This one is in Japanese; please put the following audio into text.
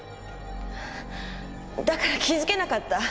だから気づけなかった。